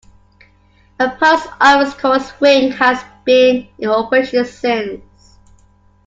A post office called Swink has been in operation since.